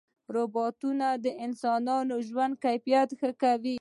روبوټونه د انسانانو د ژوند کیفیت ښه کوي.